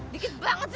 dikit banget sih